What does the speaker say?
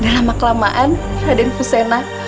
dalam kelamaan raden fusena